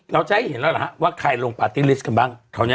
เราจะให้เห็นแล้วอ่าว่าใครลงกันบ้าง